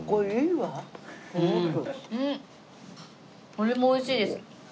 これも美味しいです。